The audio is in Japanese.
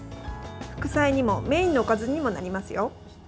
副菜にもメインのおかずにもなりますよ。